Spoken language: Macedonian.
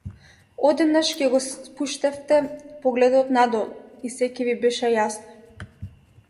Одеднаш ќе го спуштевте погледот надолу и сѐ ќе ви беше јасно.